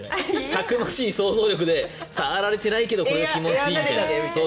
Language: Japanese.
たくましい想像力で触られてないけど気持ちいいみたいな。